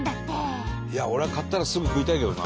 俺は買ったらすぐ食いたいけどな。